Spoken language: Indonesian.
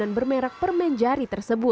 dan bermerak permen jari